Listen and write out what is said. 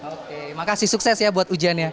oke makasih sukses ya buat ujiannya